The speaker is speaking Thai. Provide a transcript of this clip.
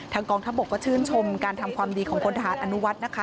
กองทัพบกก็ชื่นชมการทำความดีของพลทหารอนุวัฒน์นะคะ